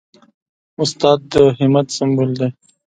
استاد د همت سمبول دی.